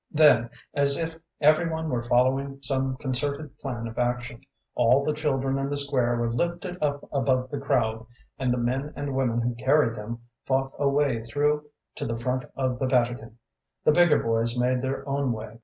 '" "Then, as if every one were following some concerted plan of action, all the children in the square were lifted up above the crowd, and the men and women who carried them fought a way through to the front of the Vatican. The bigger boys made their own way.